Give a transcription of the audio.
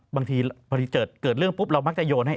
บางทีพอดีเกิดเรื่องปุ๊บเรามักจะโยนให้